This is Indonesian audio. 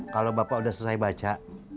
kalau bapak sudah selesai baca